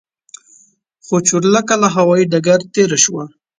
خو چورلکه له هوايي ډګر تېره شوه.